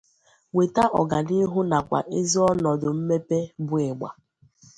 wèta ọganihu nakwà ezi ọnọdụ mmepe bụ ịgbà.